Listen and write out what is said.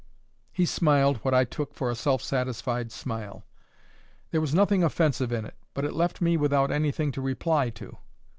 He smiled what I took for a self satisfied smile. There was nothing offensive in it, but it left me without anything to reply to.